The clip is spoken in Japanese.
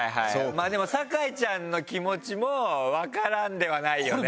まあでも酒井ちゃんの気持ちもわからんではないよね。